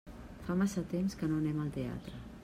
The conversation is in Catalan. Fa massa temps que no anem al teatre.